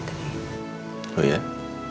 mereka ngasih tau kalau mereka sekarang lagi